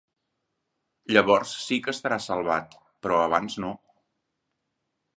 Llavors sí que estarà salvat, però abans no.